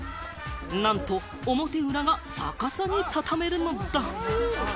なんと表裏が逆さにたためるのだ。